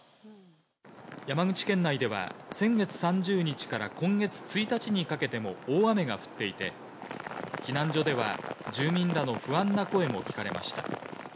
山口県内では、先月３０日から今月１日にかけても大雨が降っていて、避難所では住民らの不安な声も聞かれました。